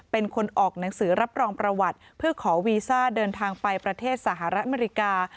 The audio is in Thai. เป็นคนออกหนังสือรับรองประวัติเพื่อขอวีซ่าเดินทางไปประเทศสหรัฐอเมริกา